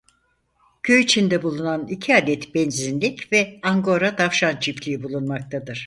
Köy içinde bulunan iki adet benzinlik ve Angora tavşan çiftliği bulunmaktadır.